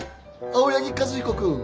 青柳和彦君。